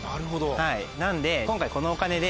はいなので今回このお金で。